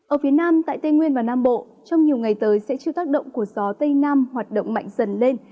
ở phía nam tại tây nguyên và nam bộ trong nhiều ngày tới sẽ chịu tác động của gió tây nam hoạt động mạnh dần lên